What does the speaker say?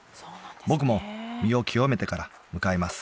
僕も身を清めてから向かいます